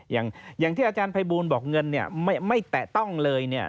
อย่างที่อาจารย์ไพบูลบอกเงินไม่แตะต้องเลย